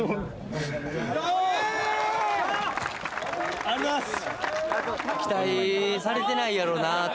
ありがとうございます。